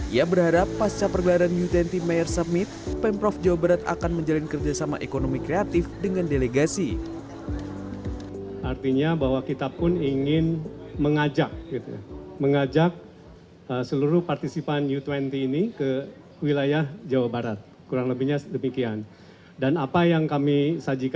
ia berharap pasca pergelaran u dua puluh mayor summit pemprov jawa barat akan menjalin kerjasama ekonomi kreatif dengan delegasi